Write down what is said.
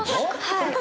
はい。